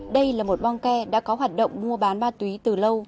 đây là một bong ke đã có hoạt động mua bán ma túy từ lâu